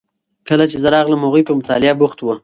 کله چې زه راغلم هغوی په مطالعه بوخت وو.